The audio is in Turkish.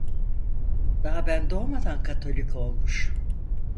Daha ben doğmadan Katolik olmuş!